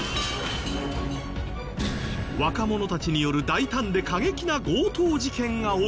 若者たちによる大胆で過激な強盗事件が起きた。